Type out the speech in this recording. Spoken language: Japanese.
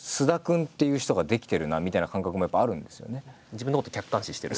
自分のことを客観視してる？